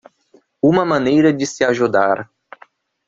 uma maneira de se ajudar